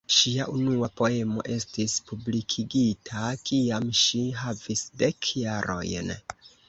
Ŝia unua poemo estis publikigita kiam ŝi havis dek jarojn.